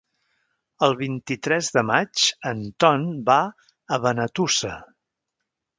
El vint-i-tres de maig en Ton va a Benetússer.